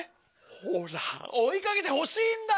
ほら追い掛けてほしいんだよ！